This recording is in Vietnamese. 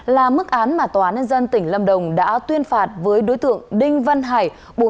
là mức án mà tòa nhân dân tỉnh lâm đồng đã tuyên phạt với đối tượng đinh văn hải